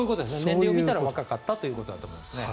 年齢を見たら若かったということだと思います。